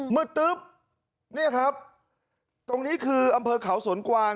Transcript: ตึ๊บเนี่ยครับตรงนี้คืออำเภอเขาสวนกวาง